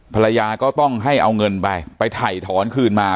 ภรรยาก็ต้องให้เอาเงินไปไปถ่ายถอนคืนมา